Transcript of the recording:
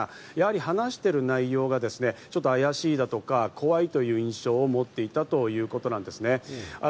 話している内容があやしいだとか怖いという印象を持っていたということです。